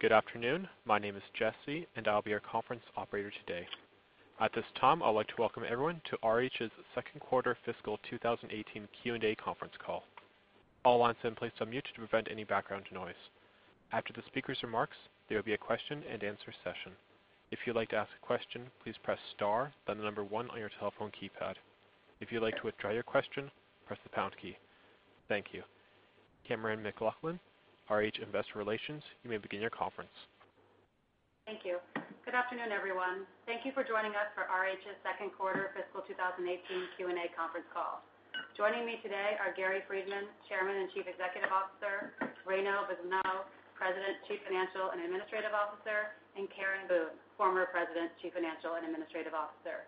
Good afternoon. My name is Jesse, and I'll be your conference operator today. At this time, I'd like to welcome everyone to RH's second quarter fiscal 2018 Q&A conference call. All lines have been placed on mute to prevent any background noise. After the speaker's remarks, there will be a question-and-answer session. If you'd like to ask a question, please press star, then the number 1 on your telephone keypad. If you'd like to withdraw your question, press the pound key. Thank you. Cammeron McLaughlin, RH Investor Relations, you may begin your conference. Thank you. Good afternoon, everyone. Thank you for joining us for RH's second quarter fiscal 2018 Q&A conference call. Joining me today are Gary Friedman, Chairman and Chief Executive Officer, Ryno Blignaut, President, Chief Financial and Administrative Officer, and Karen Boone, former President, Chief Financial and Administrative Officer.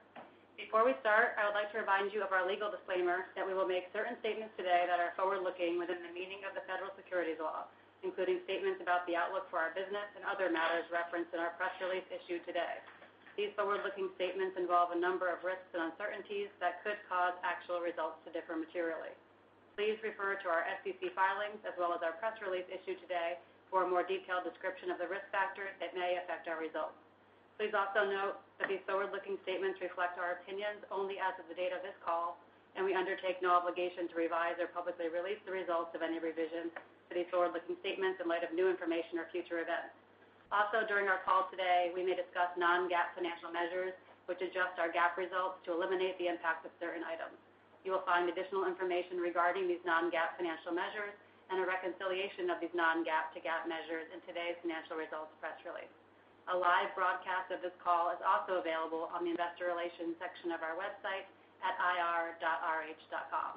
Before we start, I would like to remind you of our legal disclaimer that we will make certain statements today that are forward-looking within the meaning of the federal securities law, including statements about the outlook for our business and other matters referenced in our press release issued today. These forward-looking statements involve a number of risks and uncertainties that could cause actual results to differ materially. Please refer to our SEC filings as well as our press release issued today for a more detailed description of the risk factors that may affect our results. Please also note that these forward-looking statements reflect our opinions only as of the date of this call. We undertake no obligation to revise or publicly release the results of any revision to these forward-looking statements in light of new information or future events. Also, during our call today, we may discuss non-GAAP financial measures, which adjust our GAAP results to eliminate the impact of certain items. You will find additional information regarding these non-GAAP financial measures and a reconciliation of these non-GAAP to GAAP measures in today's financial results press release. A live broadcast of this call is also available on the investor relations section of our website at ir.rh.com.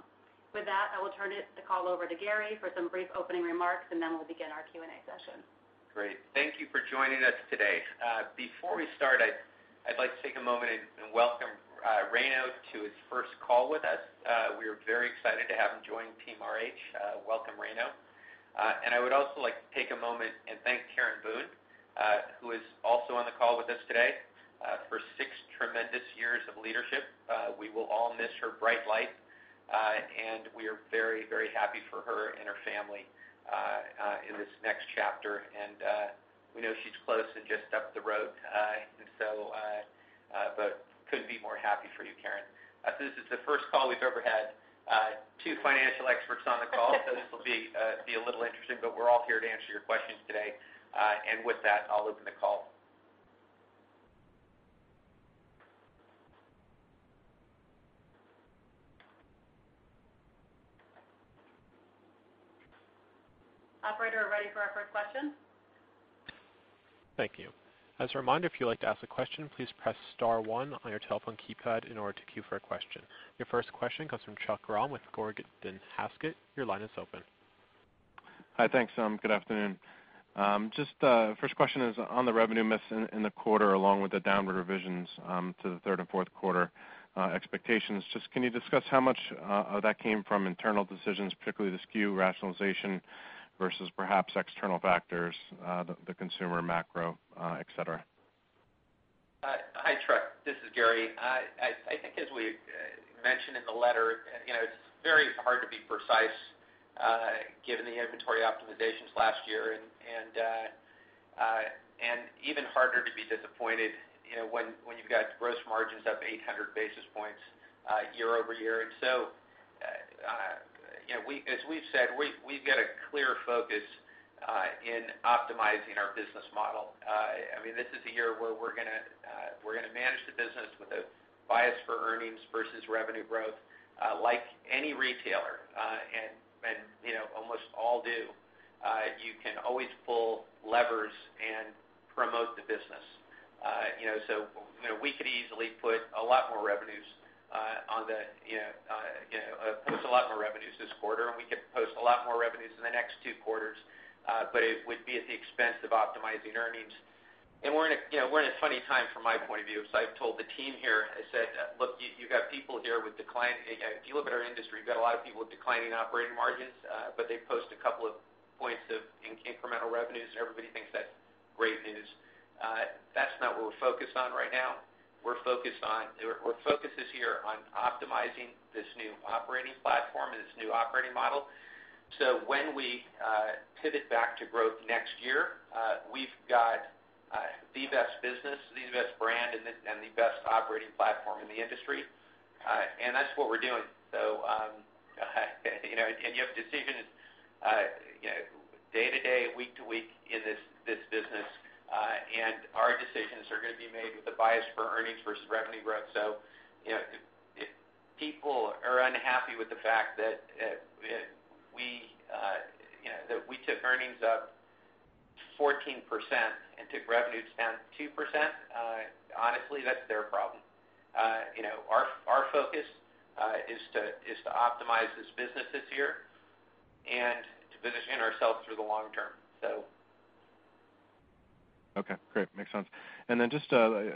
With that, I will turn the call over to Gary for some brief opening remarks, and then we'll begin our Q&A session. Great. Thank you for joining us today. Before we start, I'd like to take a moment and welcome Ryno to his first call with us. We are very excited to have him join team RH. Welcome, Ryno. I would also like to take a moment and thank Karen Boone who is also on the call with us today, for six tremendous years of leadership. We will all miss her bright light, and we are very happy for her and her family in this next chapter. We know she's close and just up the road, but couldn't be more happy for you, Karen. This is the first call we've ever had two financial experts on the call, so this will be a little interesting, but we're all here to answer your questions today. With that, I'll open the call. Operator, we're ready for our first question. Thank you. As a reminder, if you'd like to ask a question, please press star one on your telephone keypad in order to queue for a question. Your first question comes from Chuck Grom with Gordon Haskett. Your line is open. Hi, thanks. Good afternoon. First question is on the revenue miss in the quarter, along with the downward revisions to the third and fourth quarter expectations. Can you discuss how much of that came from internal decisions, particularly the SKU rationalization versus perhaps external factors, the consumer macro, et cetera? Hi, Chuck. This is Gary. I think as we mentioned in the letter, it's very hard to be precise given the inventory optimizations last year, even harder to be disappointed when you've got gross margins up 800 basis points year-over-year. As we've said, we've got a clear focus in optimizing our business model. This is a year where we're going to manage the business with a bias for earnings versus revenue growth, like any retailer and almost all do. You can always pull levers and promote the business. We could easily put a lot more revenues this quarter, and we could post a lot more revenues in the next two quarters, but it would be at the expense of optimizing earnings. We're in a funny time from my point of view. I've told the team here, I said, "Look, if you look at our industry, we've got a lot of people with declining operating margins, but they post a couple of points in incremental revenues, and everybody thinks that's great news." That's not what we're focused on right now. Our focus this year on optimizing this new operating platform and this new operating model. When we pivot back to growth next year, we've got the best business, the best brand, and the best operating platform in the industry. That's what we're doing. You have decisions day to day, week to week in this business, and our decisions are going to be made with a bias for earnings versus revenue growth. If people are unhappy with the fact that we took earnings up 14% and took revenues down 2%, honestly, that's their problem. Our focus is to optimize this business this year and to position ourselves for the long term. Okay, great. Makes sense. Then just to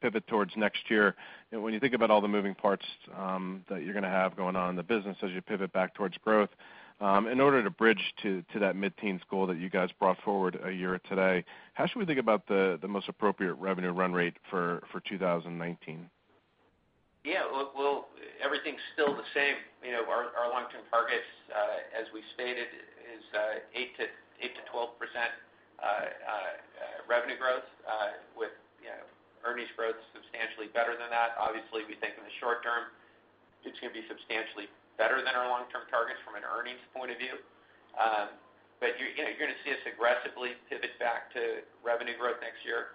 pivot towards next year, when you think about all the moving parts that you're going to have going on in the business as you pivot back towards growth, in order to bridge to that mid-teen goal that you guys brought forward a year today, how should we think about the most appropriate revenue run rate for 2019? Yeah. Everything's still the same. Our long-term targets, as we stated, is 8%-12% revenue growth with earnings growth substantially better than that. Obviously, we think in the short term, it's going to be substantially better than our long-term targets from an earnings point of view. You're going to see us aggressively pivot back to revenue growth next year.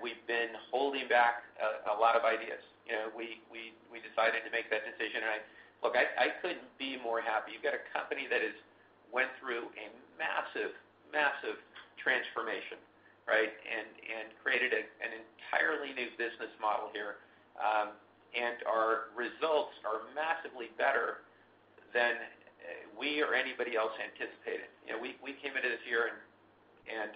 We've been holding back a lot of ideas. We decided to make that decision, and look, I couldn't be more happy. You've got a company that has went through a massive transformation, right? Created an entirely new business model here. Our results are massively better than we or anybody else anticipated. We came into this year and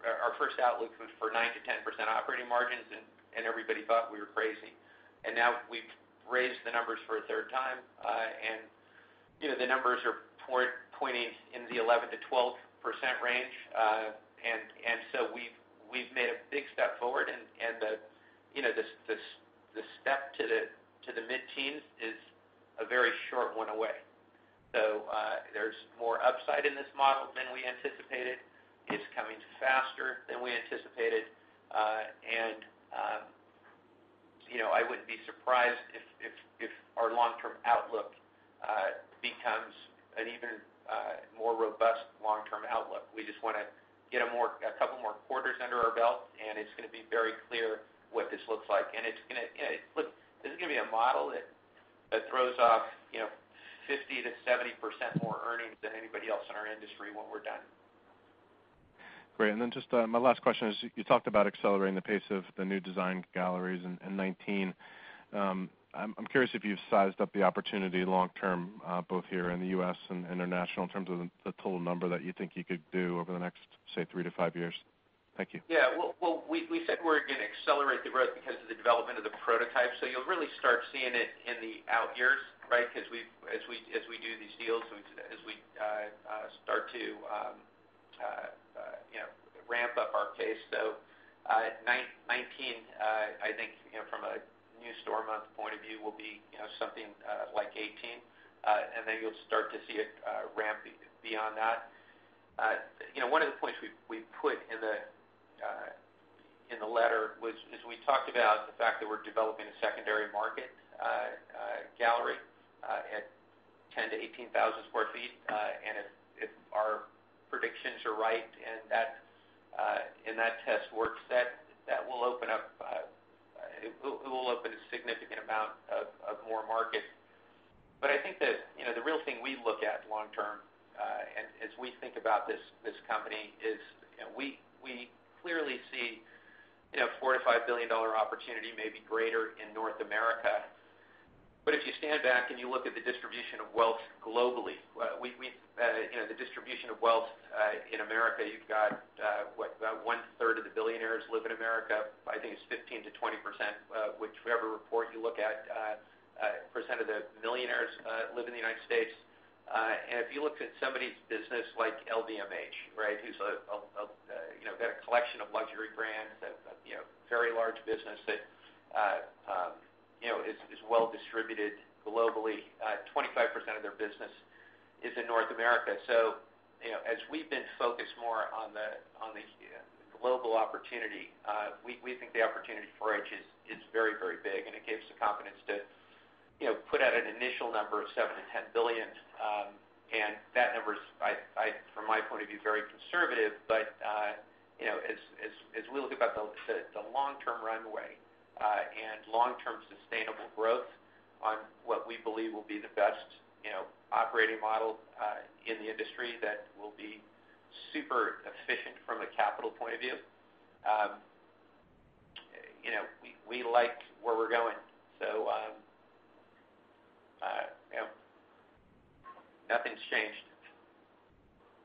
our first outlook was for 9%-10% operating margins, and everybody thought we were crazy. Now we've raised the numbers for a third time, the numbers are pointing in the 11%-12% range. So we've made a big step forward and the step to the mid-teens is a very short one away. There's more upside in this model than we anticipated. It's coming faster than we anticipated. I wouldn't be surprised if our long-term outlook becomes an even more robust long-term outlook. We just want to get a couple more quarters under our belt, it's going to be very clear what this looks like. This is going to be a model that throws off 50%-70% more earnings than anybody else in our industry when we're done. Great. Then just my last question is, you talked about accelerating the pace of the new design galleries in 2019. I'm curious if you've sized up the opportunity long term both here in the U.S. and international in terms of the total number that you think you could do over the next, say, three to five years. Thank you. Well, we said we're going to accelerate the growth because of the development of the prototype, you'll really start seeing it in the out years, right? Because as we do these deals, as we start to ramp up our pace. 2019, I think from a new store month point of view will be something like 18, then you'll start to see it ramp beyond that. One of the points we put in the letter was, we talked about the fact that we're developing a secondary market gallery at 10,000-18,000 sq ft. If our predictions are right and that test works, it will open a significant amount of more market. I think that the real thing we look at long term, as we think about this company is we clearly see a $4 billion-$5 billion opportunity, maybe greater in North America. If you stand back and you look at the distribution of wealth globally, the distribution of wealth in America, you've got what? About one-third of the billionaires live in America. I think it's 15%-20%, whichever report you look at, percent of the millionaires live in the United States. If you looked at somebody's business like LVMH, right, who's got a collection of luxury brands, a very large business that is well distributed globally. 25% of their business is in North America. As we've been focused more on the global opportunity, we think the opportunity for RH is very big and it gave us the confidence to put out an initial number of $7 billion and $10 billion. That number's, from my point of view, very conservative, as we look about the long-term runway and long-term sustainable growth on what we believe will be the best operating model in the industry that will be super efficient from a capital point of view. We like where we're going, nothing's changed.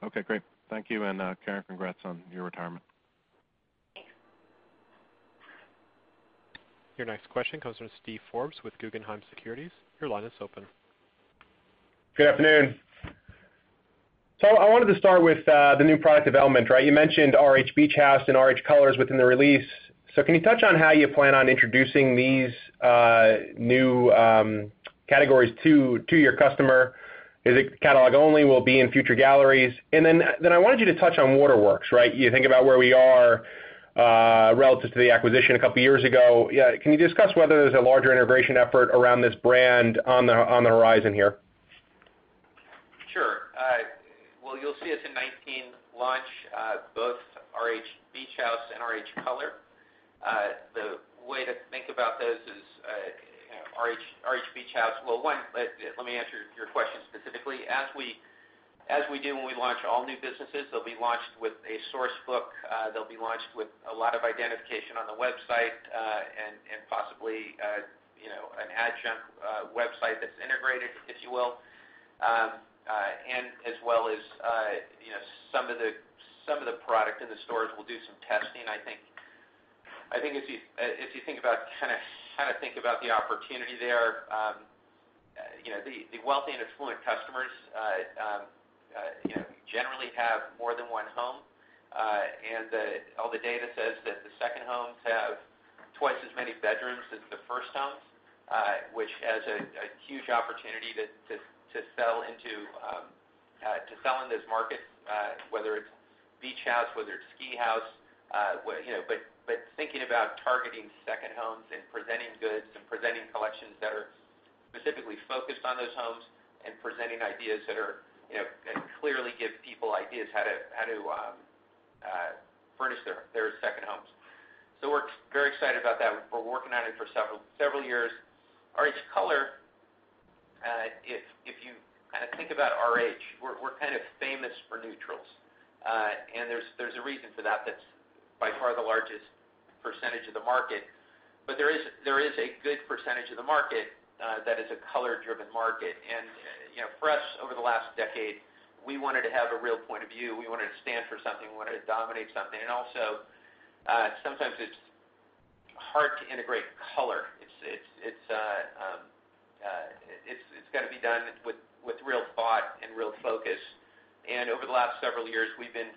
Okay, great. Thank you. Karen, congrats on your retirement. Thanks. Your next question comes from Steven Forbes with Guggenheim Securities. Your line is open. Good afternoon. I wanted to start with the new product development, right? You mentioned RH Beach House and RH Color within the release. Can you touch on how you plan on introducing these new categories to your customer? Is it catalog only, will be in future galleries? Then I wanted you to touch on Waterworks, right? You think about where we are relative to the acquisition a couple of years ago. Can you discuss whether there's a larger integration effort around this brand on the horizon here? Sure. Well, you'll see us in 2019 launch both RH Beach House and RH Color. The way to think about those is. Well, one, let me answer your question specifically. As we do when we launch all new businesses, they'll be launched with a source book. They'll be launched with a lot of identification on the website, and possibly an adjunct website that's integrated, if you will, and as well as some of the product in the stores, we'll do some testing. I think if you think about the opportunity there. The wealthy and affluent customers generally have more than one home. All the data says that the second homes have twice as many bedrooms as the first homes, which has a huge opportunity to sell in those markets, whether it's beach house, whether it's ski house. Thinking about targeting second homes and presenting goods and presenting collections that are specifically focused on those homes and presenting ideas that clearly give people ideas how to furnish their second homes. We're very excited about that. We've been working on it for several years. RH Color, if you think about RH, we're kind of famous for neutrals. There's a reason for that. That's by far the largest percentage of the market. There is a good percentage of the market that is a color-driven market. For us, over the last decade, we wanted to have a real point of view. We wanted to stand for something. We wanted to dominate something. Also, sometimes it's hard to integrate color. It's got to be done with real thought and real focus. Over the last several years, we've been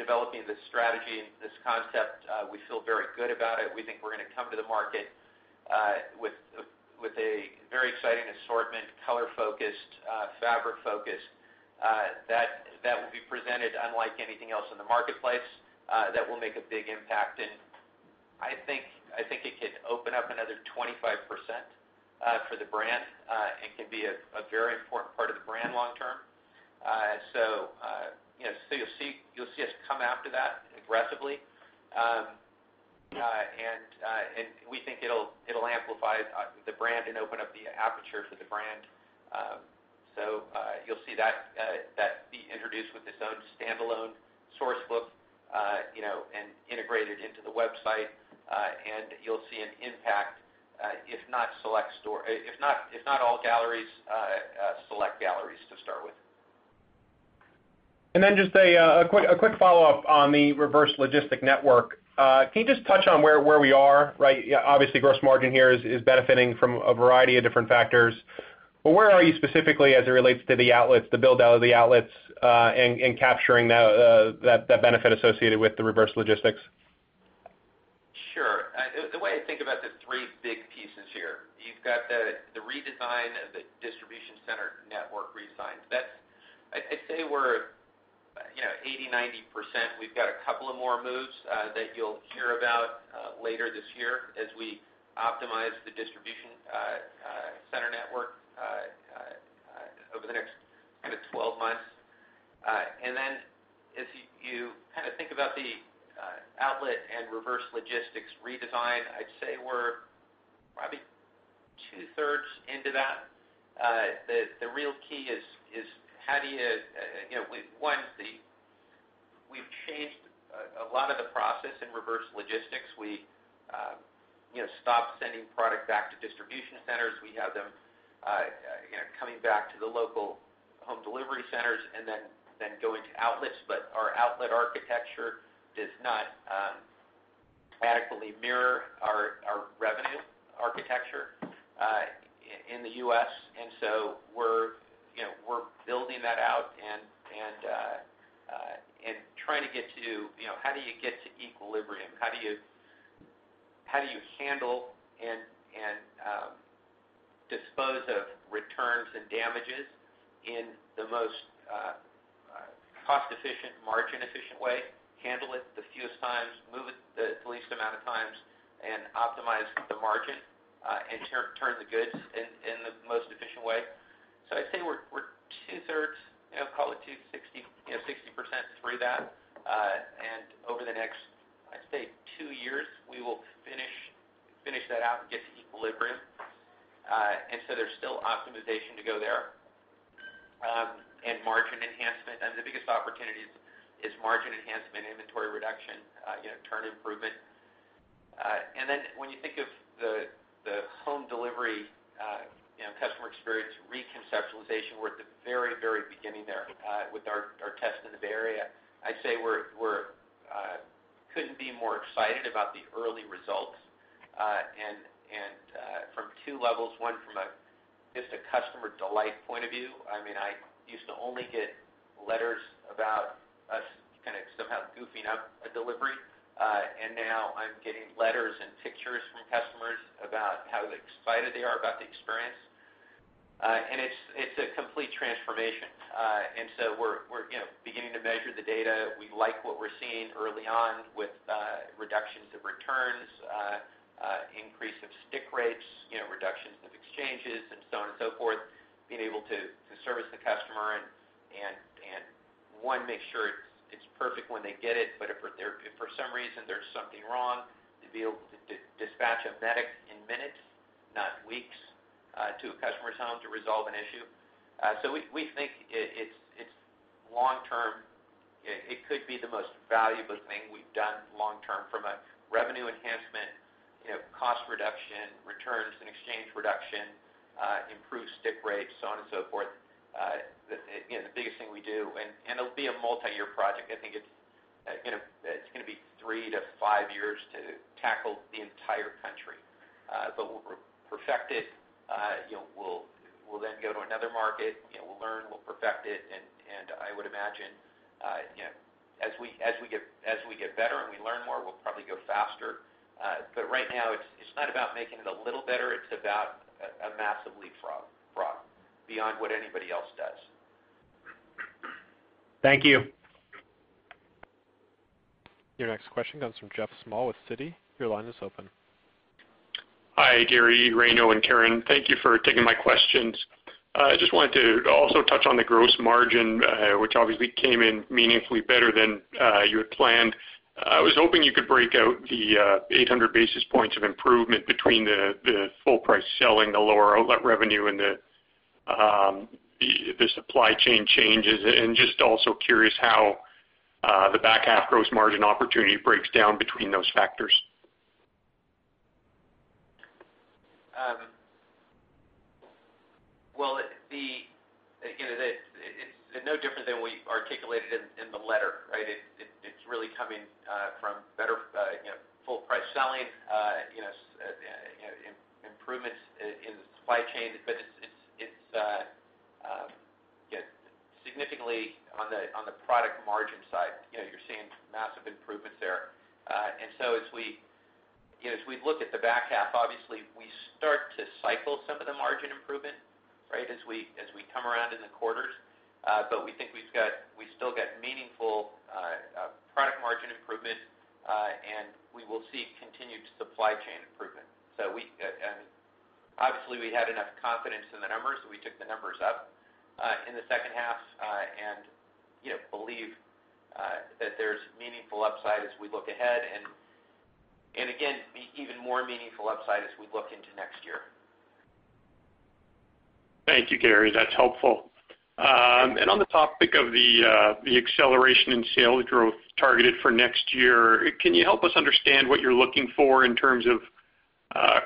developing this strategy and this concept. We feel very good about it. We think we're going to come to the market with a very exciting assortment, color-focused, fabric-focused, that will be presented unlike anything else in the marketplace, that will make a big impact. I think it could open up another 25% for the brand and can be a very important part of the brand long term. You'll see us come after that aggressively. We think it'll amplify the brand and open up the aperture for the brand. You'll see that be introduced with its own standalone source book, and integrated into the website. You'll see an impact, if not all galleries, select galleries to start with. Then just a quick follow-up on the reverse logistics network. Can you just touch on where we are? Obviously, gross margin here is benefiting from a variety of different factors, but where are you specifically as it relates to the outlets, the build-out of the outlets, and capturing that benefit associated with the reverse logistics? Sure. The way I think about the three big pieces here, you've got the redesign of the distribution center network redesign. I'd say we're 80%-90%. We've got a couple of more moves that you'll hear about later this year as we optimize the distribution center network over the next kind of 12 months. As you think about the outlet and reverse logistics redesign, I'd say we're probably two-thirds into that. The real key is how do you One, we've changed a lot of the process in reverse logistics. We stopped sending product back to distribution centers. We have them coming back to the local home delivery centers and then going to outlets. Our outlet architecture does not adequately mirror our revenue architecture in the U.S. We're building that out and trying to get to how do you get to equilibrium? How do you handle and dispose of returns and damages in the most cost-efficient, margin-efficient way, handle it the fewest times, move it the least amount of times, and optimize the margin and turn the goods in the most efficient way? I'd say we're two-thirds, call it 60% through that. Over the next, I'd say, two years, we will finish that out and get to equilibrium. There's still optimization to go there, and margin enhancement. The biggest opportunity is margin enhancement, inventory reduction, turn improvement. When you think of the home delivery customer experience reconceptualization, we're at the very beginning there with our test in the Bay Area. I'd say we couldn't be more excited about the early results, and from 2 levels. One, from a just a customer delight point of view. I used to only get letters about us kind of somehow goofing up a delivery. Now I'm getting letters and pictures from customers about how excited they are about the experience. It's a complete transformation. We're beginning to measure the data. We like what we're seeing early on with reductions of returns, increase of stick rates, reductions of exchanges, and so on and so forth, being able to service the customer and, one, make sure it's perfect when they get it. If for some reason there's something wrong, to be able to dispatch a medic in minutes, not weeks, to a customer's home to resolve an issue. We think it's long term. It could be the most valuable thing we've done long term from a revenue enhancement, cost reduction, returns and exchange reduction, improved stick rates, so on and so forth. The biggest thing we do. It'll be a multi-year project. I think it's going to three to five years to tackle the entire country. We'll perfect it. We'll then go to another market. We'll learn. We'll perfect it, and I would imagine as we get better and we learn more, we'll probably go faster. Right now, it's not about making it a little better. It's about a massive leapfrog beyond what anybody else does. Thank you. Your next question comes from Geoff Small with Citi. Your line is open. Hi, Gary, Ryno, and Karen. Thank you for taking my questions. I just wanted to also touch on the gross margin, which obviously came in meaningfully better than you had planned. I was hoping you could break out the 800 basis points of improvement between the full price selling, the lower outlet revenue, and the supply chain changes. Just also curious how the back half gross margin opportunity breaks down between those factors. Well, again, it's no different than we articulated in the letter, right? It's really coming from better full-price selling, improvements in the supply chain. It's significantly on the product margin side. You're seeing massive improvements there. As we look at the back half, obviously, we start to cycle some of the margin improvement as we come around in the quarters. We think we still get meaningful product margin improvement, and we will see continued supply chain improvement. Obviously, we had enough confidence in the numbers, so we took the numbers up in the second half and believe that there's meaningful upside as we look ahead and, again, even more meaningful upside as we look into next year. Thank you, Gary. That's helpful. On the topic of the acceleration in sales growth targeted for next year, can you help us understand what you're looking for in terms of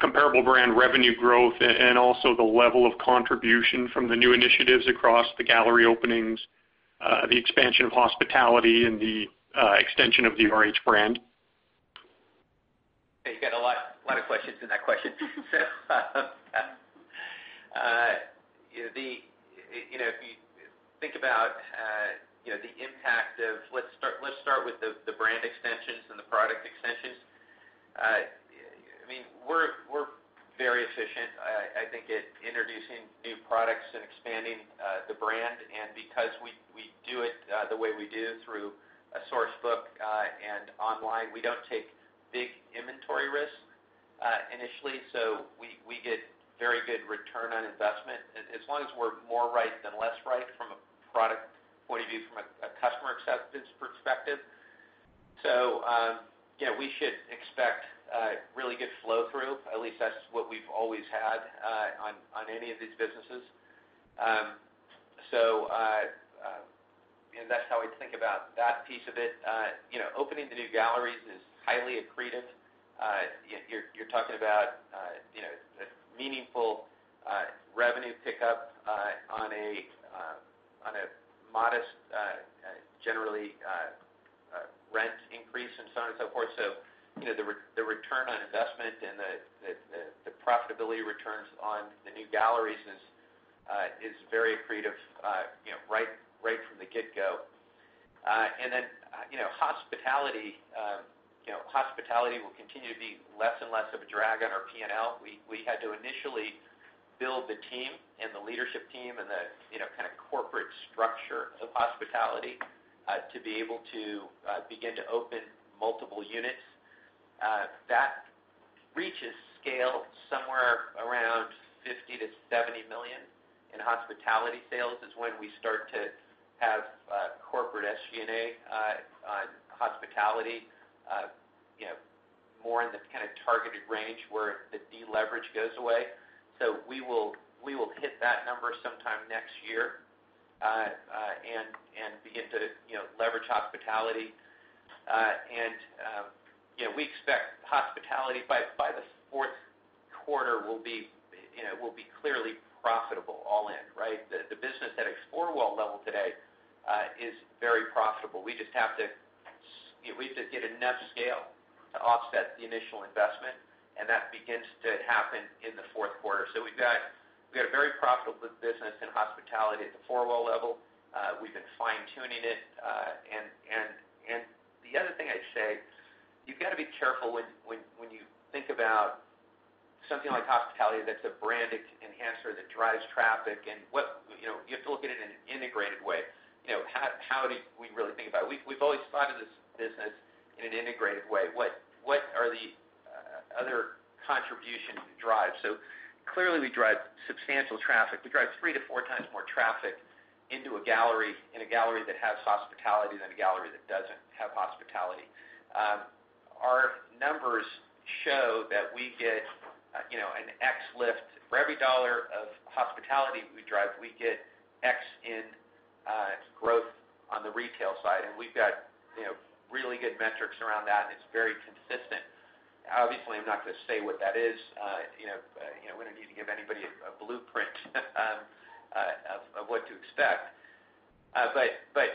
comparable brand revenue growth and also the level of contribution from the new initiatives across the gallery openings, the expansion of hospitality, and the extension of the RH brand? Let's start with the brand extensions and the product extensions. We're very efficient, I think, at introducing new products and expanding the brand. Because we do it the way we do through a source book and online, we don't take big inventory risks initially, so we get very good return on investment as long as we're more right than less right from a product point of view, from a customer acceptance perspective. We should expect a really good flow-through. At least that's what we've always had on any of these businesses. That's how we think about that piece of it. Opening the new galleries is highly accretive. You're talking about a meaningful revenue pickup on a modest, generally, rent increase and so on and so forth. The return on investment and the profitability returns on the new galleries is very accretive right from the get-go. Hospitality will continue to be less and less of a drag on our P&L. We had to initially build the team and the leadership team and the corporate structure of hospitality to be able to begin to open multiple units. That reaches scale somewhere around $50 million-$70 million in hospitality sales is when we start to have corporate SG&A on hospitality, more in the targeted range where the deleverage goes away. We will hit that number sometime next year and begin to leverage hospitality. We expect hospitality by the fourth quarter will be clearly profitable all in, right? The business at a four-wall level today is very profitable. We just have to get enough scale to offset the initial investment, and that begins to happen in the fourth quarter. We've got a very profitable business in hospitality at the four-wall level. We've been fine-tuning it. The other thing I'd say, you've got to be careful when you think about something like hospitality that's a brand enhancer, that drives traffic, and you have to look at it in an integrated way. How do we really think about it? We've always thought of this business in an integrated way. What are the other contributions we drive? Clearly, we drive substantial traffic. We drive three to four times more traffic into a gallery, in a gallery that has hospitality than a gallery that doesn't have hospitality. Our numbers show that we get an X lift. For every dollar of hospitality we drive, we get X in growth on the retail side. We've got really good metrics around that, and it's very consistent. Obviously, I'm not going to say what that is. We don't need to give anybody a blueprint of what to expect.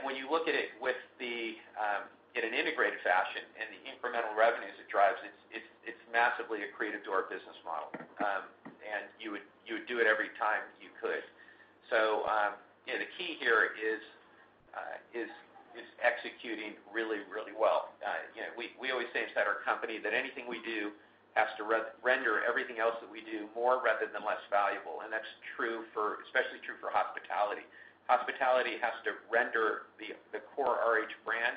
When you look at it in an integrated fashion and the incremental revenues it drives, it's massively accretive to our business model. You would do it every time you could. The key here is executing really well. We always say inside our company that anything we do has to render everything else that we do more rather than less valuable. That's especially true for hospitality. Hospitality has to render the core RH brand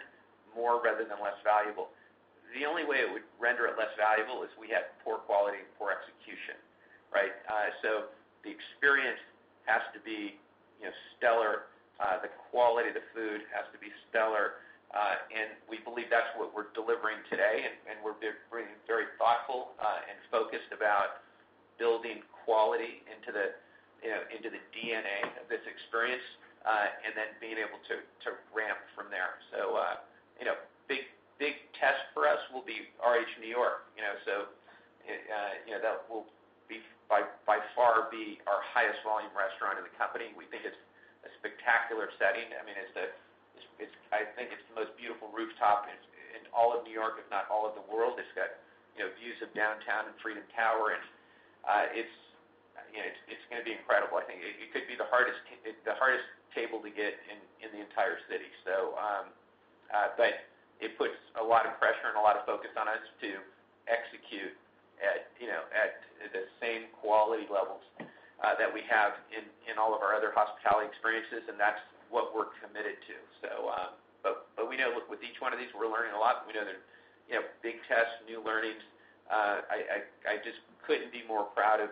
more rather than less valuable. The only way it would render it less valuable is if we had poor quality and poor execution. Right? The experience has to be stellar. The quality of the food has to be stellar. We believe that's what we're delivering today, and we're being very thoughtful and focused about building quality into the DNA of this experience, and then being able to ramp from there. Big test for us will be RH New York. That will by far be our highest volume restaurant in the company. We think it's a spectacular setting. I think it's the most beautiful rooftop in all of New York, if not all of the world. It's got views of downtown and Freedom Tower, and it's going to be incredible. I think it could be the hardest table to get in the entire city. It puts a lot of pressure and a lot of focus on us to execute at the same quality levels that we have in all of our other hospitality experiences. That's what we're committed to. We know with each one of these, we're learning a lot. We know there's big tests, new learnings. I just couldn't be more proud of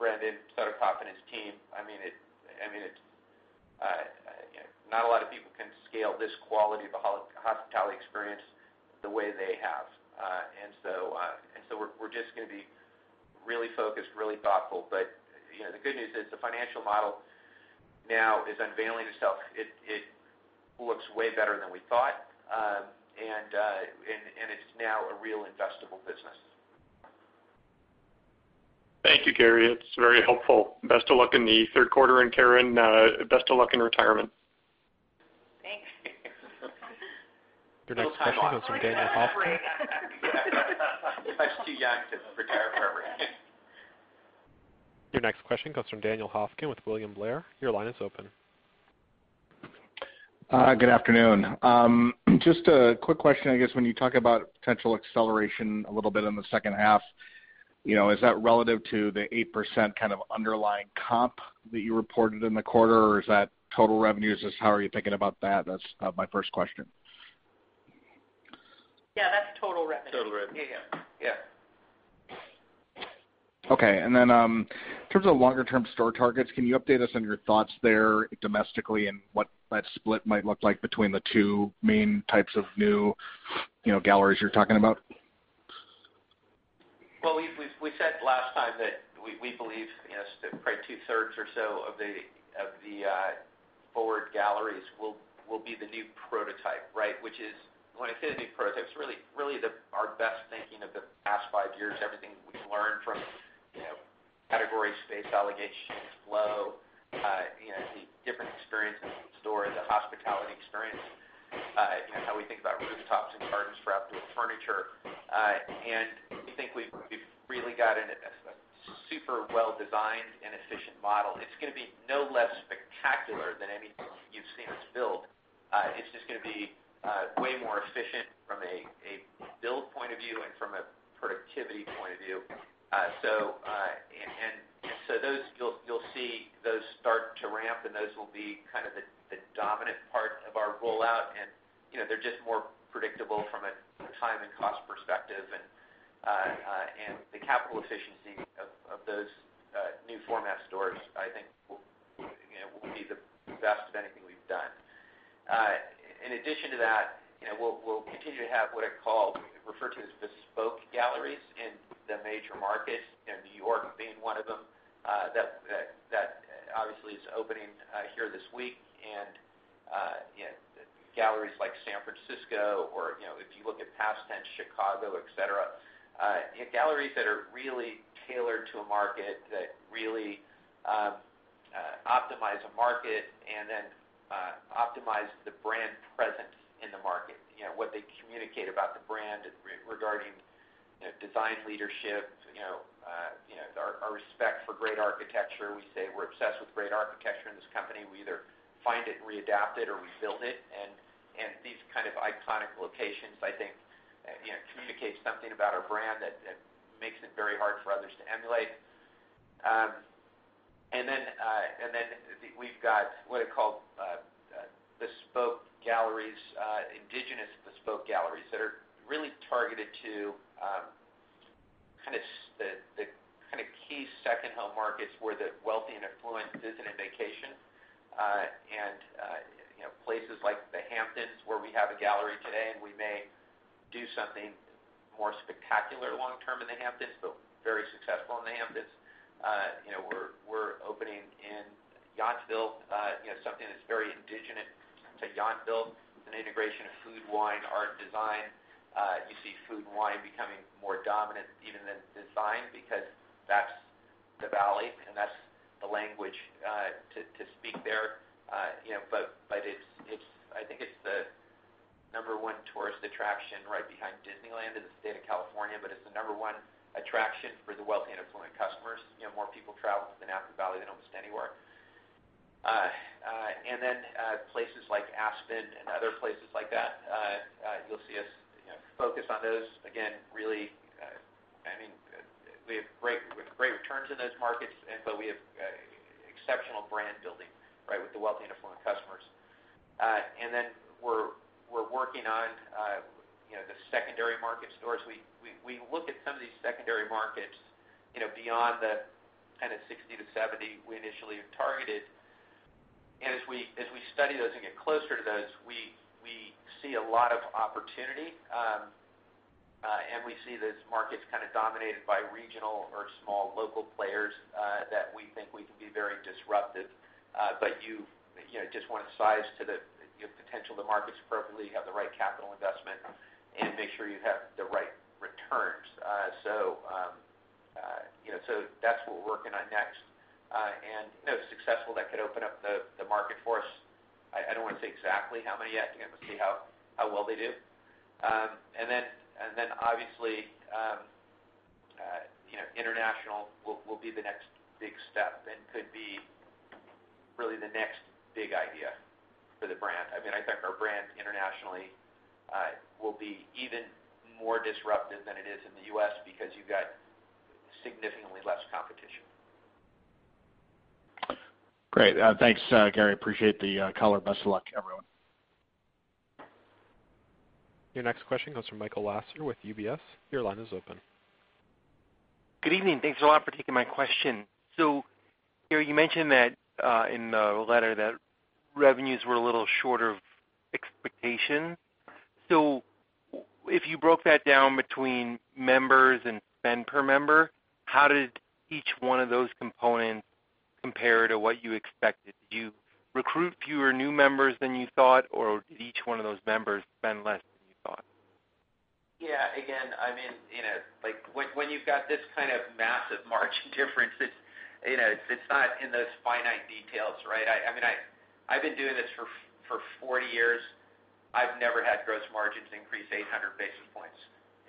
Brendan Sodikoff and his team. Not a lot of people can scale this quality of a hospitality experience the way they have. We're just going to be really focused, really thoughtful. The good news is the financial model now is unveiling itself. It looks way better than we thought, and it's now a real investable business. Thank you, Gary. It's very helpful. Best of luck in the third quarter. Karen, best of luck in retirement. Thanks. No time off. I'm going to take a break. Yeah. I'm much too young to retire forever. Your next question comes from Daniel Hofkin with William Blair. Your line is open. Good afternoon. Just a quick question, I guess, when you talk about potential acceleration a little bit in the second half, is that relative to the 8% kind of underlying comp that you reported in the quarter or is that total revenues? Just how are you thinking about that? That's my first question. Yeah, that's total revenue. Total revenue. Yeah. Okay. Then in terms of longer-term store targets, can you update us on your thoughts there domestically and what that split might look like between the two main types of new galleries you're talking about? We said last time that we believe probably two-thirds or so of the forward galleries will be the new prototype. Which is, when I say the new prototype, it's really our best thinking of the past 5 years. Everything we've learned from category, space allocations, flow, the different experiences in store, the hospitality experience, and how we think about rooftops and gardens for outdoor furniture. We think we've really got a super well-designed and efficient model. It's going to be no less spectacular than anything you've seen us build. It's just going to be way more efficient from a build point of view and from a productivity point of view. You'll see those start to ramp, and those will be kind of the dominant part of our rollout, and they're just more predictable from a time and cost perspective. The capital efficiency of those new format stores, I think, will be the best of anything we've done. In addition to that, we'll continue to have what are referred to as bespoke galleries in the major markets, N.Y. being one of them. That obviously is opening here this week. Galleries like San Francisco or if you look at past tense Chicago, et cetera. Galleries that are really tailored to a market, that really optimize a market and then optimize the brand presence in the market. What they communicate about the brand regarding design leadership our respect for great architecture. We say we're obsessed with great architecture in this company. We either find it and readapt it or rebuild it. These kind of iconic locations, I think, communicate something about our brand that makes it very hard for others to emulate. We've got what are called indigenous bespoke galleries that are really targeted to kind of the key second-home markets where the wealthy and affluent visit and vacation. Places like The Hamptons, where we have a gallery today, and we may do something more spectacular long term in The Hamptons, but very successful in The Hamptons. Built something that's very indigenous to Yountville. It's an integration of food, wine, art, and design. You see food and wine becoming more dominant even than design, because that's the valley and that's the language to speak there. I think it's the number 1 tourist attraction right behind Disneyland in the state of California, but it's the number 1 attraction for the wealthy and affluent customers. More people travel to the Napa Valley than almost anywhere. Places like Aspen and other places like that, you'll see us focus on those. Again, really, we have great returns in those markets, but we have exceptional brand building with the wealthy and affluent customers. We're working on the secondary market stores. We look at some of these secondary markets, beyond the kind of 60-70 we initially have targeted. As we study those and get closer to those, we see a lot of opportunity, and we see those markets kind of dominated by regional or small local players that we think we can be very disruptive. You just want to size to the potential of the markets appropriately, you have the right capital investment, and make sure you have the right returns. That's what we're working on next. If successful, that could open up the market for us. I don't want to say exactly how many yet. We'll see how well they do. Obviously, international will be the next big step and could be really the next big idea for the brand. I think our brand internationally will be even more disruptive than it is in the U.S. because you've got significantly less competition. Great. Thanks, Gary. Appreciate the color. Best of luck, everyone. Your next question comes from Michael Lasser with UBS. Your line is open. Good evening. Thanks a lot for taking my question. Gary, you mentioned in the letter that revenues were a little short of expectations. If you broke that down between members and spend per member, how did each one of those components compare to what you expected? Did you recruit fewer new members than you thought, or did each one of those members spend less than you thought? When you've got this kind of massive margin difference, it's not in those finite details, right? I've been doing this for 40 years. I've never had gross margins increase 800 basis points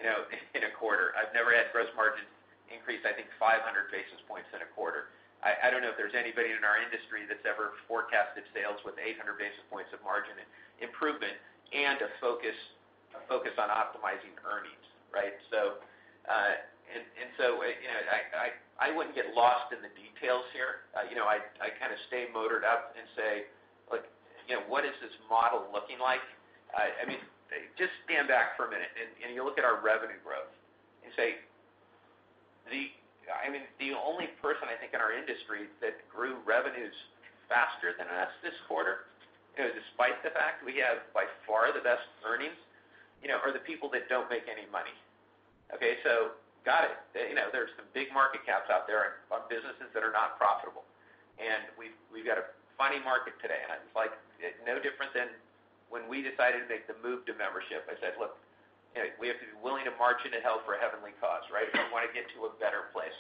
in a quarter. I've never had gross margins increase, I think, 500 basis points in a quarter. I don't know if there's anybody in our industry that's ever forecasted sales with 800 basis points of margin improvement and a focus on optimizing earnings, right? I wouldn't get lost in the details here. I kind of stay motored up and say, "Look, what is this model looking like?" Just stand back for a minute and you look at our revenue growth and say. The only person I think in our industry that grew revenues faster than us this quarter, despite the fact we have by far the best earnings, are the people that don't make any money. Okay, got it. There's some big market caps out there on businesses that are not profitable. We've got a funny market today, and it's no different than when we decided to make the move to membership. I said, "Look, we have to be willing to march into hell for a heavenly cause," right? If we want to get to a better place.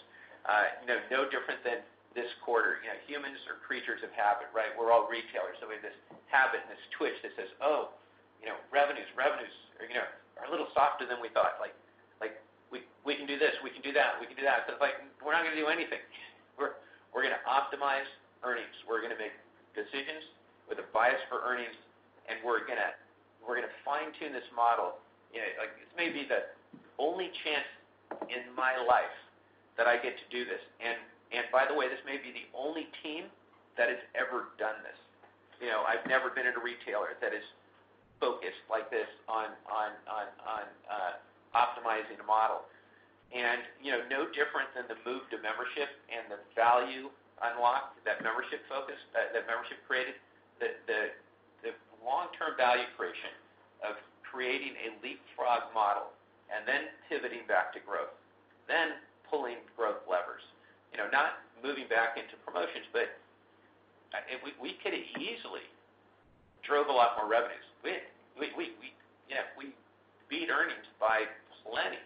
No different than this quarter. Humans are creatures of habit, right? We're all retailers, we have this habit and this twitch that says, "Oh, revenues. Revenues are a little softer than we thought. We can do this. We can do that. We can do that." We're not going to do anything. We're going to optimize earnings. We're going to make decisions with a bias for earnings, and we're going to fine-tune this model. This may be the only chance in my life that I get to do this. By the way, this may be the only team that has ever done this. I've never been at a retailer that is focused like this on optimizing a model. No different than the move to membership and the value unlocked that membership created. The long-term value creation of creating a leapfrog model pivoting back to growth, pulling growth levers. Not moving back into promotions, we could've easily drove a lot more revenues. We beat earnings by plenty.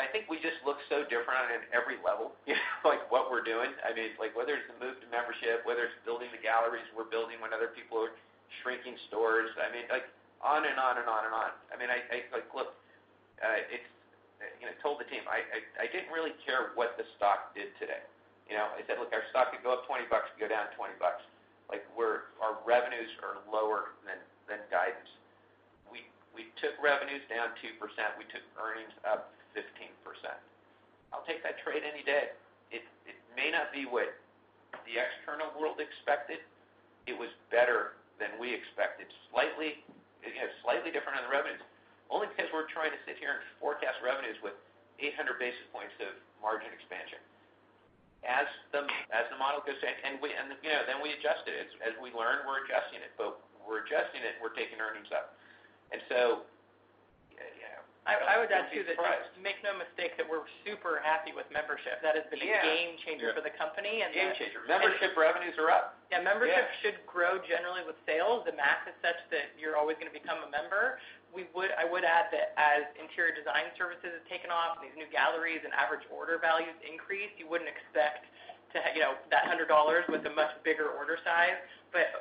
I think we just look so different on every level, what we're doing. Whether it's the move to membership, whether it's building the galleries we're building when other people are shrinking stores. On and on and on and on. Look, I told the team, I didn't really care what the stock did today. I said, "Look, our stock could go up 20 bucks, it could go down 20 bucks." Our revenues are lower than guidance. We took revenues down 2%. We took earnings up 15%. I'll take that trade any day. It may not be what the external world expected. It was better than we expected. Slightly different on the revenues, only because we're trying to sit here and forecast revenues with 800 basis points of margin expansion. As the model goes in, then we adjust it. As we learn, we're adjusting it, but we're adjusting it and we're taking earnings up. I would add, too, that make no mistake that we're super happy with membership. Yeah. That has been a game changer for the company. Game changer. Membership revenues are up. Yeah, membership should grow generally with sales. The math is such that you are always going to become a member. I would add that as Interior Design services have taken off, these new galleries and average order values increase, you would not expect that $100 with a much bigger order size.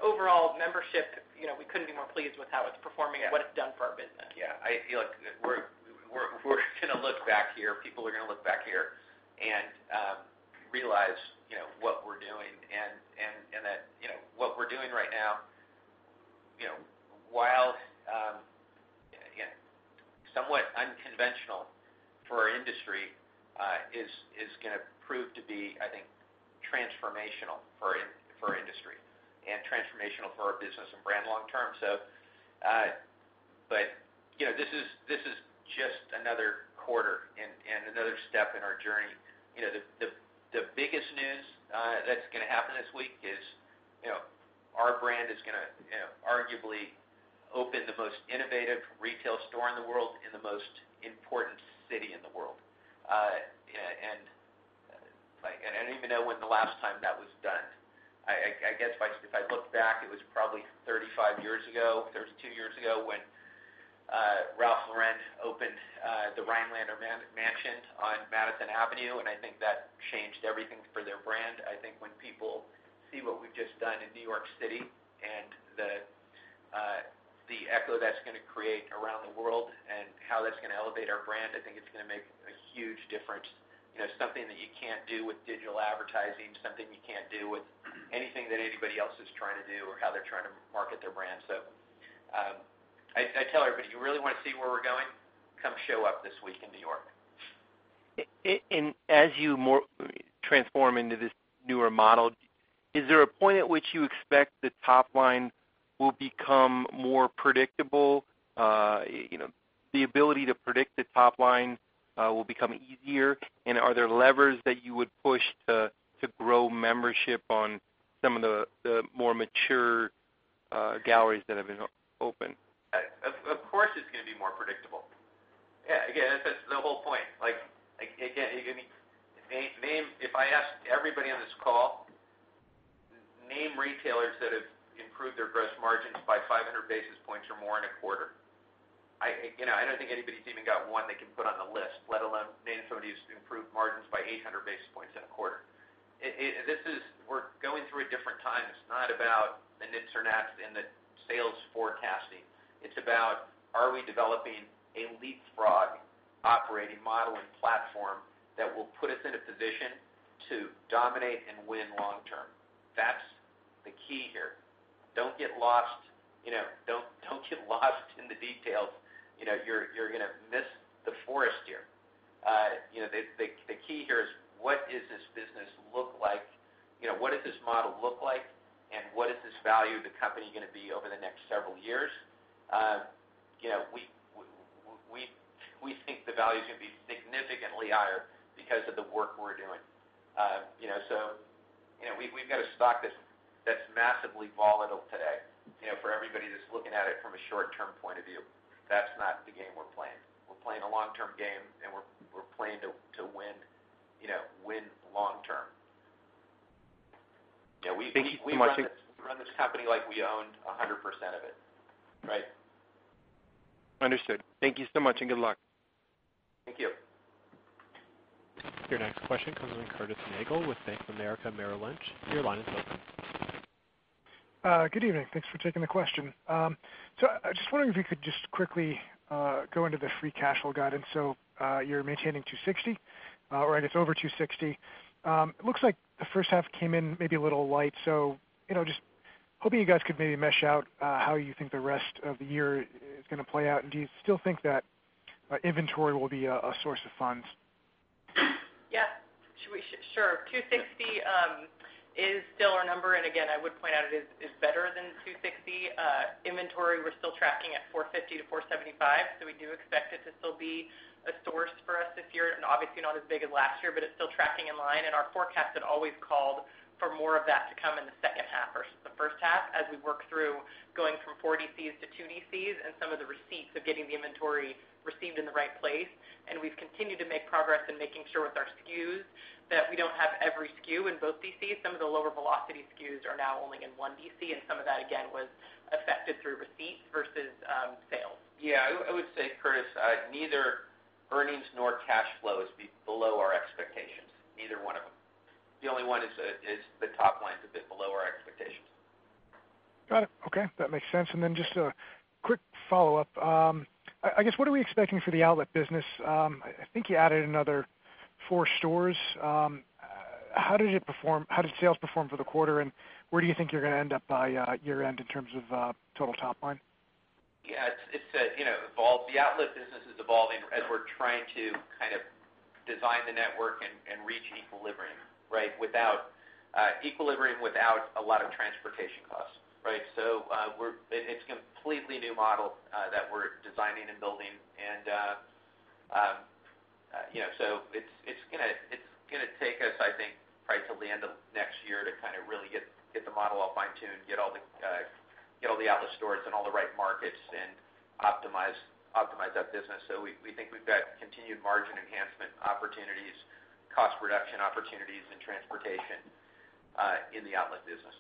Overall, membership, we could not be more pleased with how it is performing and what it has done for our business. Yeah. I feel like we are going to look back here, people are going to look back here and realize what we are doing and that what we are doing right now, while somewhat unconventional for our industry, is going to prove to be, I think, transformational for our industry and transformational for our business and brand long term. This is just another quarter and another step in our journey. The biggest news that is going to happen this week is our brand is going to arguably open the most innovative retail store in the world in the most important city in the world. I do not even know when the last time that was done. I guess if I look back, it was probably 35 years ago, 32 years ago when Ralph Lauren opened the Rhinelander Mansion on Madison Avenue, I think that changed everything for their brand. I think when people see what we have just done in New York City and the echo that is going to create around the world and how that is going to elevate our brand, I think it is going to make a huge difference. Something that you cannot do with digital advertising, something you cannot do with anything that anybody else is trying to do or how they are trying to market their brand. I tell everybody, "You really want to see where we are going? Come show up this week in New York. As you transform into this newer model, is there a point at which you expect the top line will become more predictable? The ability to predict the top line will become easier? Are there levers that you would push to grow membership on some of the more mature galleries that have been opened? Of course, it's going to be more predictable. That's the whole point. If I asked everybody on this call, name retailers that have improved their gross margins by 500 basis points or more in a quarter, I don't think anybody's even got one they can put on the list, let alone name somebody who's improved margins by 800 basis points in a quarter. We're going through a different time. It's not about the nits and gnats in the sales forecasting. It's about, are we developing a leapfrog operating model and platform that will put us in a position to dominate and win long term? That's the key here. Don't get lost in the details. You're going to miss the forest here. The key here is what does this business look like? What does this model look like? What is this value of the company going to be over the next several years? We think the value's going to be significantly higher because of the work we're doing. We've got a stock that's massively volatile today. For everybody that's looking at it from a short-term point of view, that's not the game we're playing. We're playing a long-term game, and we're playing to win long term. Thank you so much. We run this company like we owned 100% of it. Right? Understood. Thank you so much, and good luck. Thank you. Your next question comes from Curtis Nagle with Bank of America Merrill Lynch. Your line is open. Good evening. Thanks for taking the question. I'm just wondering if you could just quickly go into the free cash flow guidance. You're maintaining $260, or it's over $260. It looks like the first half came in maybe a little light. Just hoping you guys could maybe flesh out how you think the rest of the year is going to play out. Do you still think that inventory will be a source of funds? Yeah. Sure. 260 is still our number, and again, I would point out it is better than 260. Inventory, we're still tracking at 450 to 475, so we do expect it to still be a source for us this year. Obviously not as big as last year, but it's still tracking in line, and our forecast had always called for more of that to come in the second half versus the first half, as we work through going from four DCs to two DCs and some of the receipts of getting the inventory received in the right place. We've continued to make progress in making sure with our SKUs that we don't have every SKU in both DCs. Some of the lower velocity SKUs are now only in one DC, and some of that, again, was affected through receipts versus sales. Yeah. I would say, Curtis, neither earnings nor cash flow is below our expectations, neither one of them. The only one is the top line is a bit below our expectations. Got it. Okay. That makes sense. Just a quick follow-up. I guess, what are we expecting for the outlet business? I think you added another four stores. How did it perform? How did sales perform for the quarter, and where do you think you're going to end up by year-end in terms of total top line? Yeah. The outlet business is evolving as we're trying to kind of design the network and reach equilibrium, right? Equilibrium without a lot of transportation costs, right? It's a completely new model that we're designing and building. Get the model all fine-tuned, get all the outlet stores in all the right markets, and optimize that business. We think we've got continued margin enhancement opportunities, cost reduction opportunities in transportation, in the outlet business.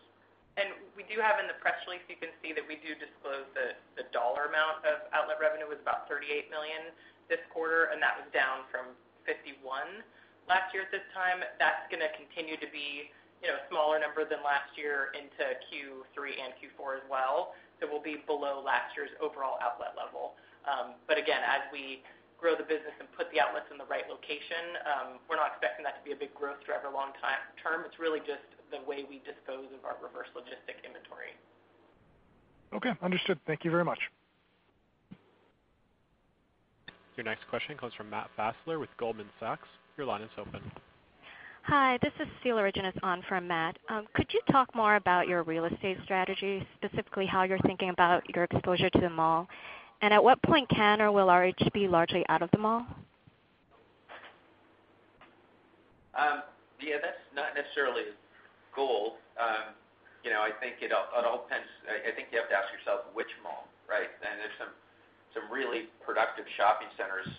We do have in the press release, you can see that we do disclose the dollar amount of outlet revenue was about $38 million this quarter, and that was down from $51 million last year at this time. That's going to continue to be a smaller number than last year into Q3 and Q4 as well. We'll be below last year's overall outlet level. Again, as we grow the business and put the outlets in the right location, we're not expecting that to be a big growth driver long term. It's really just the way we dispose of our reverse logistic inventory. Okay, understood. Thank you very much. Your next question comes from Matt Fassler with Goldman Sachs. Your line is open. Hi, this is Stella originally on for Matt. Could you talk more about your real estate strategy, specifically how you're thinking about your exposure to the mall, and at what point can or will RH be largely out of the mall? Yeah, that's not necessarily the goal. I think it all depends. I think you have to ask yourself which mall, right? There's some really productive shopping centers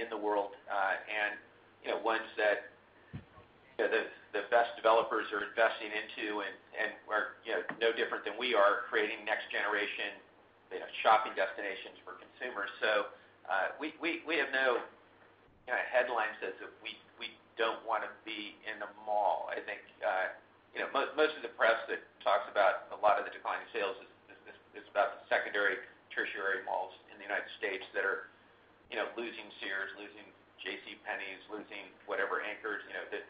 in the world. Ones that the best developers are investing into and are no different than we are creating next generation shopping destinations for consumers. We have no headline says that we don't want to be in the mall. I think, most of the press that talks about a lot of the decline in sales is about the secondary, tertiary malls in the U.S. that are losing Sears, losing JCPenney, losing whatever anchors.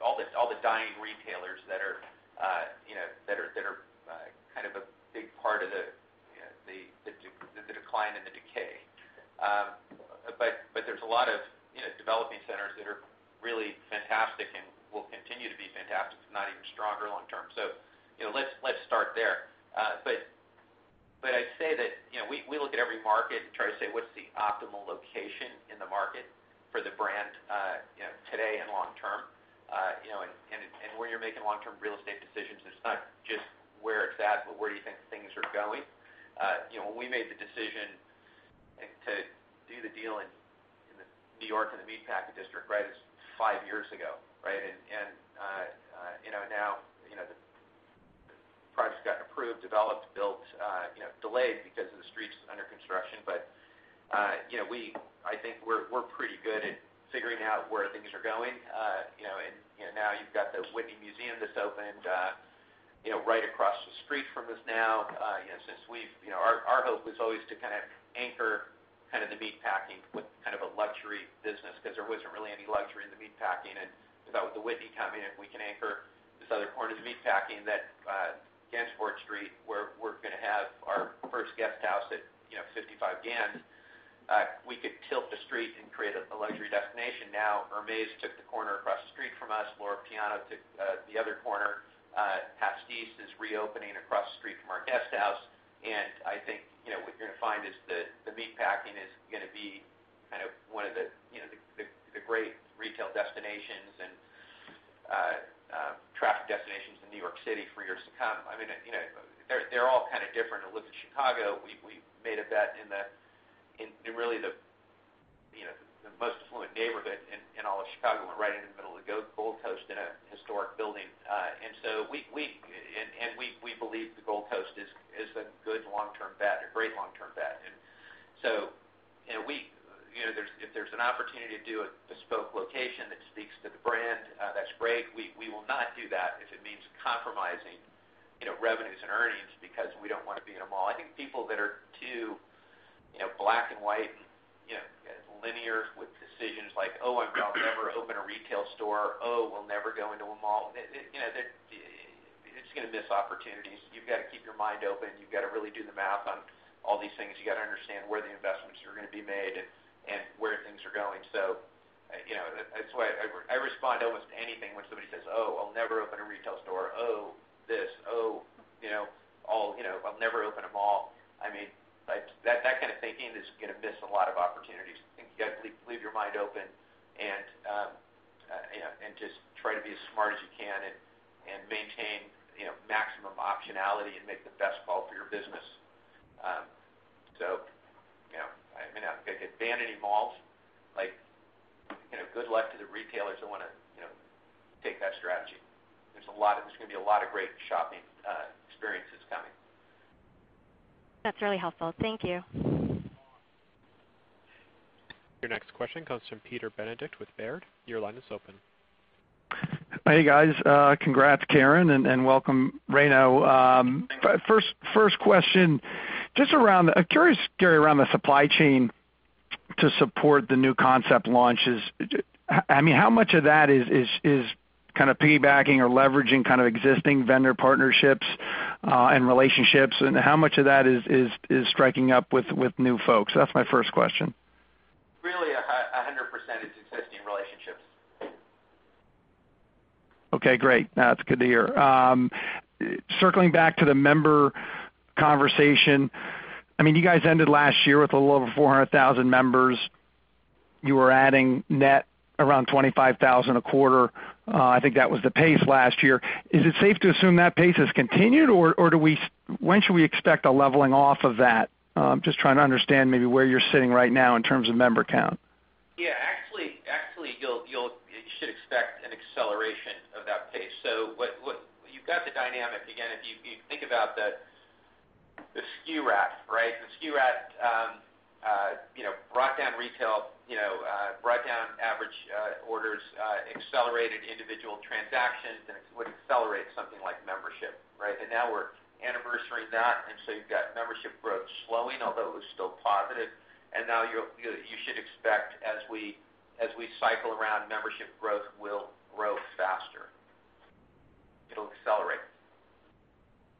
All the dying retailers that are a big part of the decline and the decay. There's a lot of developing centers that are really fantastic and will continue to be fantastic, if not even stronger long term. Let's start there. I say that we look at every market and try to say, what's the optimal location in the market for the brand today and long term? Where you're making long-term real estate decisions, it's not just where it's at, but where do you think things are going. When we made the decision to do the deal in the N.Y. in the Meatpacking District, it was five years ago, right? Now the project's gotten approved, developed, built, delayed because of the streets under construction. I think we're pretty good at figuring out where things are going. Now you've got the Whitney Museum that's opened right across the street from us now. Our hope was always to anchor the Meatpacking with a luxury business because there wasn't really any luxury in the Meatpacking. We thought with the Whitney coming in, we can anchor this other corner of the Meatpacking that, Gansevoort Street, where we're going to have our first guest house at 55 Gan. We could tilt the street and create a luxury destination. Hermes took the corner across the street from us. Loro Piana took the other corner. Pastis is reopening across the street from our guest house. I think what you're going to find is the Meatpacking is going to be one of the great retail destinations and traffic destinations in New York City for years to come. They're all different. If you look at Chicago, we made a bet in really the most affluent neighborhood in all of Chicago. We're right in the middle of the Gold Coast in a historic building. We believe the Gold Coast is a good long-term bet, a great long-term bet. If there's an opportunity to do a bespoke location that speaks to the brand, that's great. We will not do that if it means compromising revenues and earnings because we don't want to be in a mall. I think people that are too black and white and linear with decisions like, "Oh, I'll never open a retail store." Or, "Oh, we'll never go into a mall." It's going to miss opportunities. You've got to keep your mind open. You've got to really do the math on all these things. You got to understand where the investments are going to be made and where things are going. That's why I respond almost to anything when somebody says, "Oh, I'll never open a retail store." Oh, this. Oh, I'll never open a mall. That kind of thinking is going to miss a lot of opportunities. I think you got to leave your mind open and just try to be as smart as you can and maintain maximum optionality and make the best call for your business. I mean abandoning malls, good luck to the retailers that want to take that strategy. There's going to be a lot of great shopping experiences coming. That's really helpful. Thank you. Your next question comes from Peter Benedict with Baird. Your line is open. Hey, guys. Congrats, Karen, and welcome, Ryno. First question, I'm curious, Gary, around the supply chain to support the new concept launches. How much of that is piggybacking or leveraging existing vendor partnerships and relationships, and how much of that is striking up with new folks? That's my first question. Really, 100% is existing relationships. Okay, great. That's good to hear. Circling back to the member conversation, you guys ended last year with a little over 400,000 members. You were adding net around 25,000 a quarter. I think that was the pace last year. Is it safe to assume that pace has continued, or when should we expect a leveling off of that? I'm just trying to understand maybe where you're sitting right now in terms of member count. Yeah. Actually, you should expect an acceleration of that pace. You've got the dynamic again, if you think about the SKU rationalization, right? The SKU rationalization brought down retail, brought down average orders, accelerated individual transactions, and it would accelerate something like membership, right? Now we're anniversarying that, you've got membership growth slowing, although it was still positive. Now you should expect, as we cycle around, membership growth will grow faster. It'll accelerate.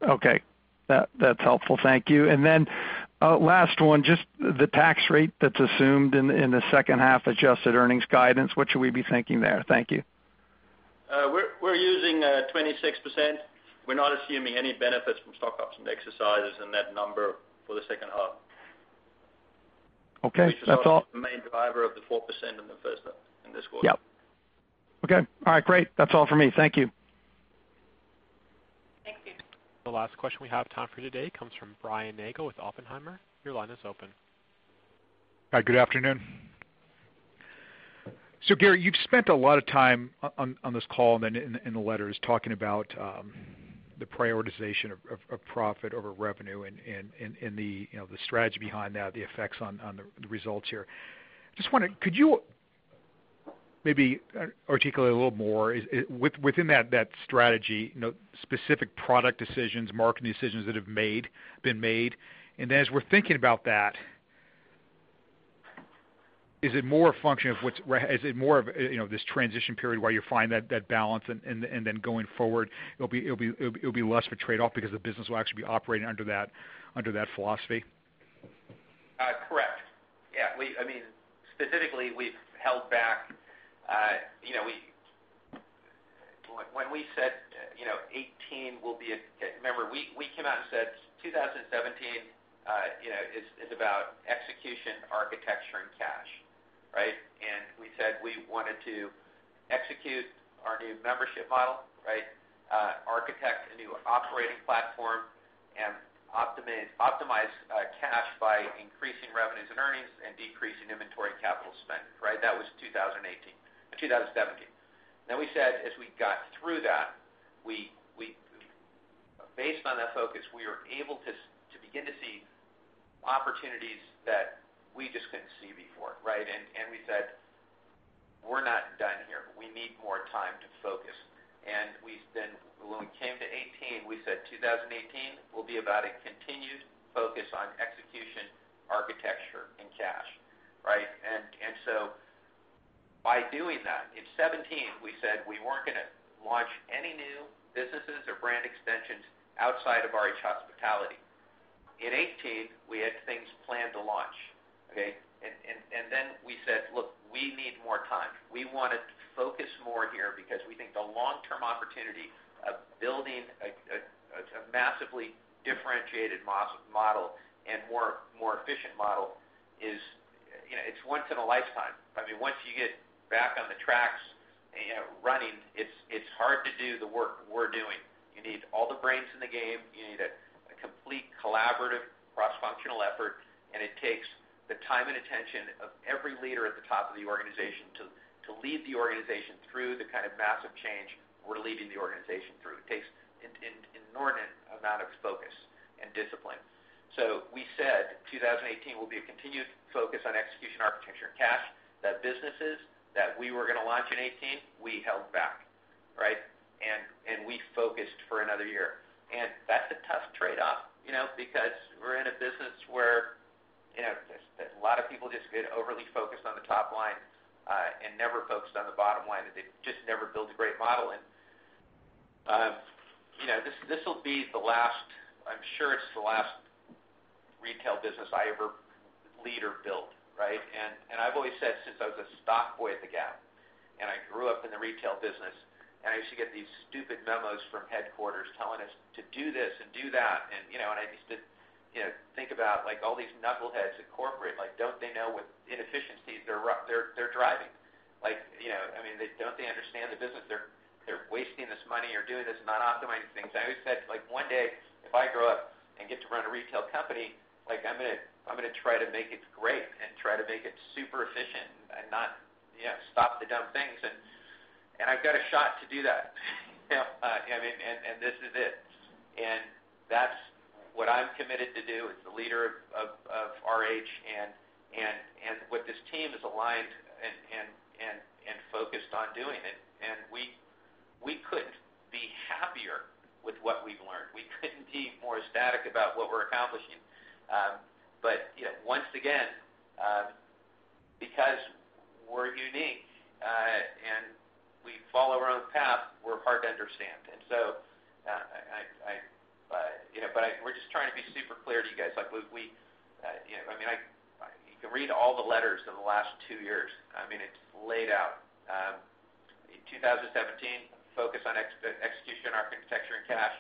Okay. That's helpful. Thank you. Last one, just the tax rate that's assumed in the second half adjusted earnings guidance, what should we be thinking there? Thank you. We're using 26%. We're not assuming any benefits from stock options exercises in that number for the second half. Okay. That's all. Which is also the main driver of the 4% in the first half in this quarter. Yep. Okay. All right, great. That's all for me. Thank you. Thank you. The last question we have time for today comes from Brian Nagel with Oppenheimer. Your line is open. Hi, good afternoon. Gary, you've spent a lot of time on this call and in the letters talking about the prioritization of profit over revenue and the strategy behind that, the effects on the results here. Just wondering, could you maybe articulate a little more within that strategy, specific product decisions, marketing decisions that have been made? As we're thinking about that, is it more of this transition period where you find that balance and then going forward, it'll be less of a trade-off because the business will actually be operating under that philosophy? Correct. Specifically, we've held back. Remember, we came out and said 2017 is about execution, architecture, and cash, right? We said we wanted to execute our new membership model, architect a new operating platform, and optimize cash by increasing revenues and earnings and decreasing inventory capital spend. That was 2017. We said, as we got through that, based on that focus, we are able to begin to see opportunities that we just couldn't see before. We said, "We're not done here. We need more time to focus." When we came to 2018, we said 2018 will be about a continued focus on execution, architecture, and cash. By doing that, in 2017, we said we weren't going to launch any new businesses or brand extensions outside of RH Hospitality. In 2018, we had things planned to launch. We said, "Look, we need more time. We want to focus more here because we think the long-term opportunity of building a massively differentiated model and more efficient model is once in a lifetime." Once you get back on the tracks running, it's hard to do the work we're doing. You need all the brains in the game. You need a complete collaborative, cross-functional effort, and it takes the time and attention of every leader at the top of the organization to lead the organization through the kind of massive change we're leading the organization through. It takes an inordinate amount of focus and discipline. We said 2018 will be a continued focus on execution, architecture, and cash. The businesses that we were going to launch in 2018, we held back. We focused for another year. That's a tough trade-off because we're in a business where a lot of people just get overly focused on the top line and never focused on the bottom line, and they just never build a great model. This'll be the last, I'm sure it's the last retail business I ever lead or build. I've always said since I was a stock boy at The Gap, I grew up in the retail business, I used to get these stupid memos from headquarters telling us to do this and do that. I used to think about all these knuckleheads in corporate, like, don't they know what inefficiencies they're driving? Don't they understand the business? They're wasting this money or doing this and not optimizing things. I always said, one day if I grow up and get to run a retail company, I'm going to try to make it great and try to make it super efficient and stop the dumb things. I've got a shot to do that. This is it. That's what I'm committed to do as the leader of RH and with this team is aligned and focused on doing it. We couldn't be happier with what we've learned. We couldn't be more ecstatic about what we're accomplishing. Once again, because we're unique and we follow our own path, we're hard to understand. We're just trying to be super clear to you guys. You can read all the letters in the last two years. It's laid out. In 2017, focus on execution in cash.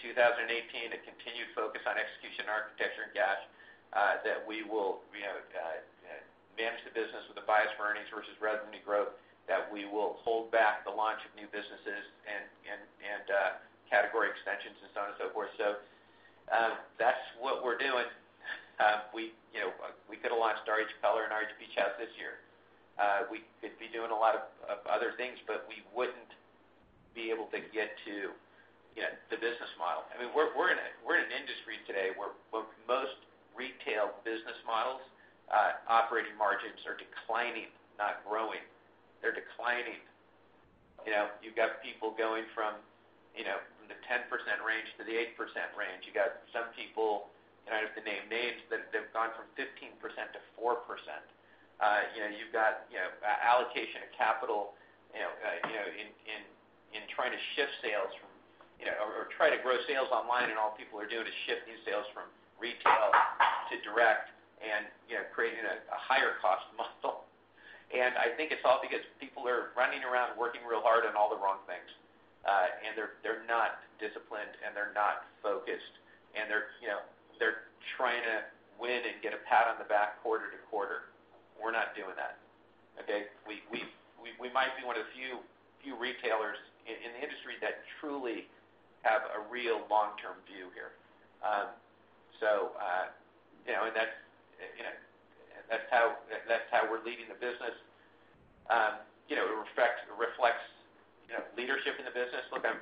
2018, a continued focus on execution, architecture, and cash, that we have managed the business with a bias for earnings versus revenue growth, that we will hold back the launch of new businesses and category extensions and so on and so forth. That's what we're doing. We could've launched RH Color and RH Beach House this year. We could be doing a lot of other things, but we wouldn't be able to get to the business model. We're in an industry today where most retail business models' operating margins are declining, not growing. They're declining. You've got people going from the 10% range to the 8% range. You got some people, and I don't have to name names, but they've gone from 15% to 4%. You've got allocation of capital in trying to grow sales online, and all people are doing is shift new sales from retail to direct and creating a higher cost model. I think it's all because people are running around working real hard on all the wrong things. They're not disciplined, they're not focused, they're trying to win and get a pat on the back quarter to quarter. We're not doing that. Okay? We might be one of few retailers in the industry that truly have a real long-term view here. That's how we're leading the business. It reflects leadership in the business. Look, I'm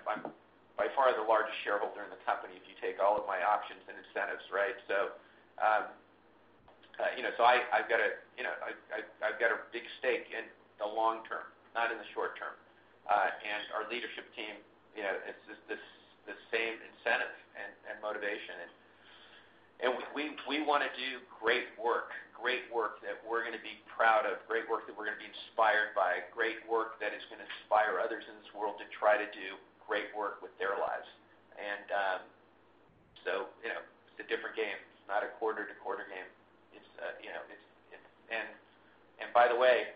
by far the largest shareholder in the company if you take all of my options and incentives, right? I've got a big stake in the long term, not in the short term. Our leadership team, it's the same incentive and motivation. We want to do great work that we're going to be proud of, great work that we're going to be inspired by, great work that is going to inspire others in this world to try to do great work with their lives. It's a different game. It's not a quarter-to-quarter game. By the way,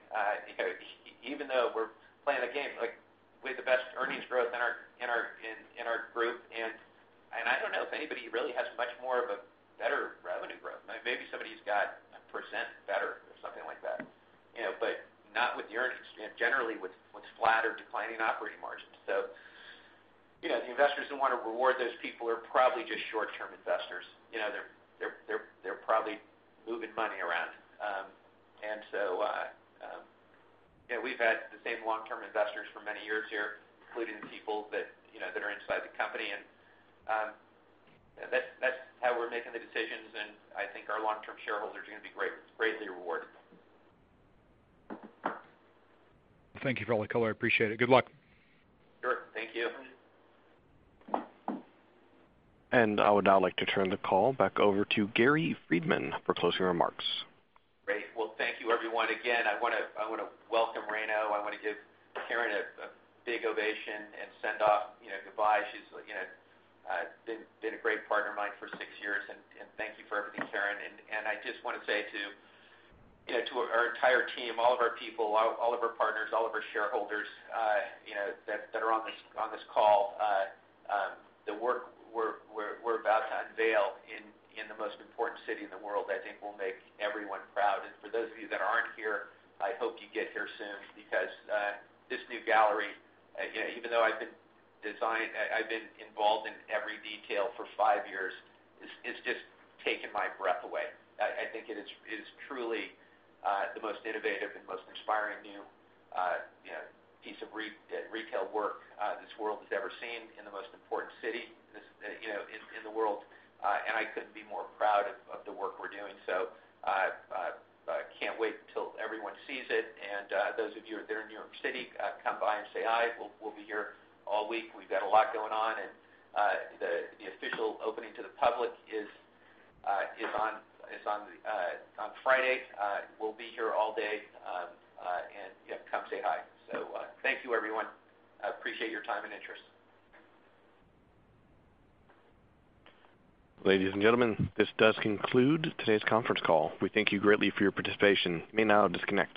even though we're playing a game, we have the best earnings growth in our group, I don't know if anybody really has much more of a better revenue growth. Maybe somebody's got a percent better or something like that. Not with the earnings. Generally, with flatter declining operating margins. The investors who want to reward those people are probably just short-term investors. They're probably moving money around. We've had the same long-term investors for many years here, including the people that are inside the company. That's how we're making the decisions, I think our long-term shareholders are going to be greatly rewarded. Thank you for all the color. I appreciate it. Good luck. Sure. Thank you. I would now like to turn the call back over to Gary Friedman for closing remarks. Great. Thank you everyone. Again, I want to welcome Ryno. I want to give Karen a big ovation and send off goodbye. She's been a great partner of mine for 6 years, thank you for everything, Karen. I just want to say to our entire team, all of our people, all of our partners, all of our shareholders that are on this call, the work we're about to unveil in the most important city in the world, I think will make everyone proud. For those of you that aren't here, I hope you get here soon because this new gallery, even though I've been involved in every detail for 5 years, it's just taken my breath away. I think it is truly the most innovative and most inspiring new piece of retail work this world has ever seen in the most important city in the world. I couldn't be more proud of the work we're doing. I can't wait till everyone sees it. Those of you that are in New York City, come by and say hi. We'll be here all week. We've got a lot going on. The official opening to the public is on Friday. We'll be here all day. Yeah, come say hi. Thank you, everyone. I appreciate your time and interest. Ladies and gentlemen, this does conclude today's conference call. We thank you greatly for your participation. You may now disconnect.